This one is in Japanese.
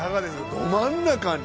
ど真ん中に。